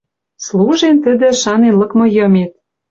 Служен тӹдӹ, шанен лыкмы йымет